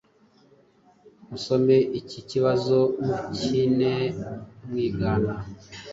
Musome iki kibazo mukine mwigana.